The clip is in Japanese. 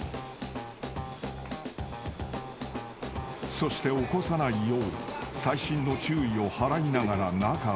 ［そして起こさないように細心の注意を払いながら中へ］